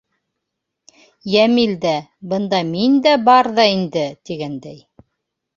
Йәмил дә, бында мин дә бар ҙа инде, тигәндәй: